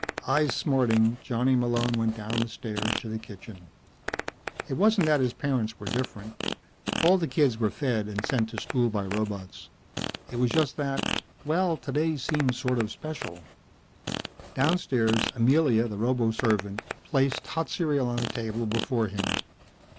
Eyes smarting, Johnny Malone went down the stairs to the kitchen. It wasn't that his parents were different. All the kids were fed and sent to school by robots. It was just that well today seemed sort of special. Downstairs Amelia, the roboservant, placed hot cereal on the table before him.